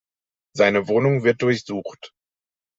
Seine Wohnung wird durchsucht.